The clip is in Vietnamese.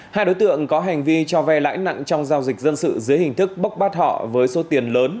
hai đối tượng có hành vi cho vay lãi nặng trong giao dịch dân sự dưới hình thức bốc bắt họ với số tiền lớn